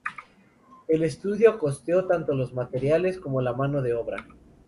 El estudio costeó tanto los materiales como la mano de obra.